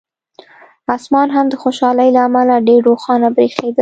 اسمان هم د خوشالۍ له امله ډېر روښانه برېښېده.